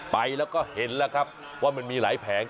ไปแล้วก็เห็นล่ะครับมีมากมายผลว่ามีมีหลายแผง